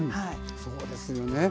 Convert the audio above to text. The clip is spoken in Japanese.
そうですよね。